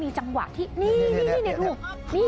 มันมีจังหวะที่นี่นี่นี่